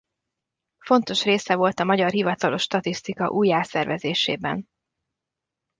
Fontos része volt a magyar hivatalos statisztika újjászervezésében.